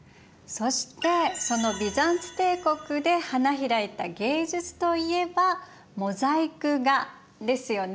そしてそのビザンツ帝国で花開いた芸術といえばモザイク画ですよね